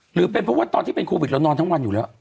หรือเป็นเพราะว่าตอนที่เป็นโควิดเรานอนทั้งวันอยู่แล้ว